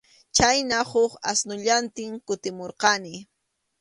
Chhayna huk asnullantin kutimurqani.